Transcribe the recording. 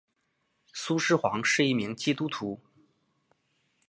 苏施黄是一名基督徒。